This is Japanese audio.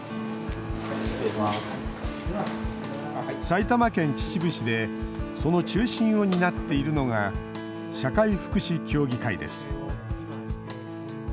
埼玉県秩父市でその中心を担っているのが社会福祉協議会です。